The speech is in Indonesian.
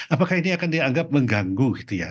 apakah ini akan dianggap mengganggu gitu ya